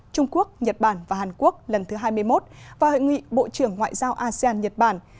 trung quốc nhật bản và hàn quốc lần thứ hai mươi một và hội nghị bộ trưởng ngoại giao asean nhật bản